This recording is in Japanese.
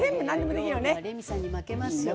料理はレミさんに負けますよ。